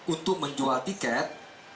untuk menjual tiket